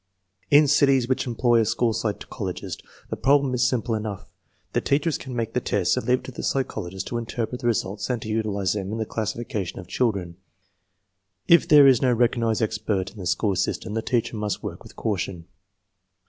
In cities which employ a school psychologist the problem is simple enough; the teachers can make the tests and leave it to the psychologist to interpret the results and to utilize them in the classification of children. If there is no recognized expert in the school system the teacher must work with caution.